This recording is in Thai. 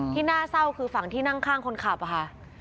ที่น่าเศร้าคือฝั่งที่นั่งข้างคนขับค่ะ